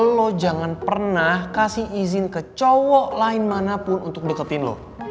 lo jangan pernah kasih izin ke cowok lain manapun untuk deketin loh